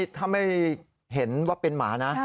ถ้าไม่เห็นว่าเป็นหมานะ